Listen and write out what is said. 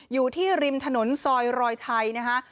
อยู่ที่ริมถนนซอยรอยไทยนะคะ